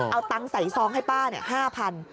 เอาตังสายซองให้ป้า๕๐๐๐บาท